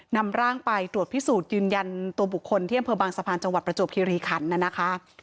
นำร่างไปตรวจพิสูจน์ยืนยันตัวบุคคลที่อำเภอบางสะพานจังหวัดประจวบคิริขันน่ะนะคะ